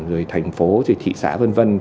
rồi thành phố rồi thị xã v v